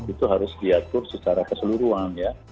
itu harus diatur secara keseluruhan ya